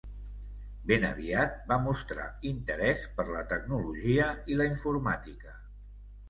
Ben aviat va mostrar interès per la tecnologia i la informàtica.